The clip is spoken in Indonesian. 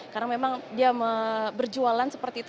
karena memang dia berjualan seperti itu